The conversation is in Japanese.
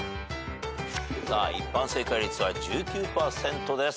さあ一般正解率は１９％です。